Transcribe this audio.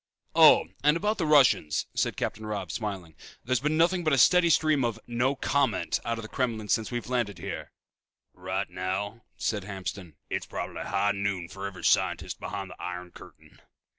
"Oh, and about the Russians," said Captain Robb, smiling. "There's been nothing but a steady stream of 'no comment' out of the Kremlin since we landed here." "Right now," said Hamston, "it's probably high noon for every scientist behind the iron curtain."